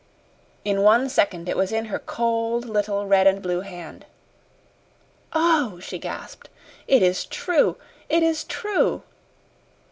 In one second it was in her cold little red and blue hand. "Oh," she gasped, "it is true! It is true!"